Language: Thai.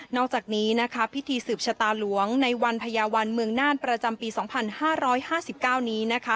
นอกจากนี้นะคะพิธีสืบชะตาหลวงในวันพญาวันเมืองน่านประจำปีสองพันห้าร้อยห้าสิบเก้านี้นะคะ